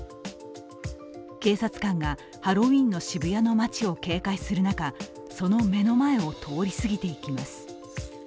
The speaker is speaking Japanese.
警察官がハロウィーンの渋谷の街を警戒する中、その目の前を通りすぎていきます。